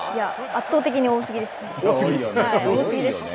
圧倒的に多すぎですね。